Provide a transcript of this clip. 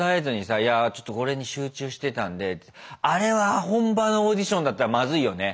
いやあちょっとこれに集中してたんでってあれは本場のオーディションだったらまずいよね。